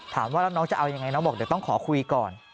ถามว่าแล้วน้องจะเอายังไงน้องบอกเดี๋ยวต้องขอคุยก่อน